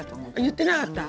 言ってなかった？